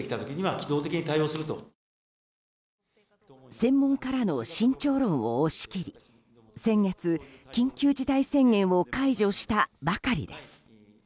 専門家らの慎重論を押し切り先月、緊急事態宣言を解除したばかりです。